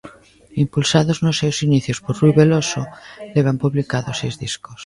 Impulsados nos seus inicios por Rui Veloso, levan publicados seis discos.